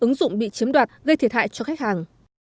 ứng dụng bị chiếm đoạt gây thiệt hại cho khách hàng